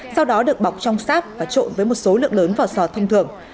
sau đó được bọc trong sáp và trộn với một số lượng lớn vỏ sò thông thường